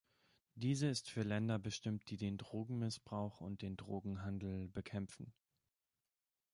Diese ist für Länder bestimmt, die den Drogenmissbrauch und den Drogenhandel bekämpfen.